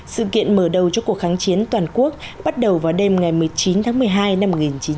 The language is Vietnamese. sự kiện mở đầu cho cuộc kháng chiến toàn quốc bắt đầu vào đêm ngày một mươi chín tháng một mươi hai năm một nghìn chín trăm bảy mươi năm